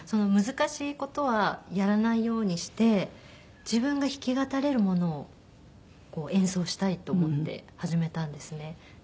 難しい事はやらないようにして自分が弾き語れるものを演奏したいと思って始めたんですね。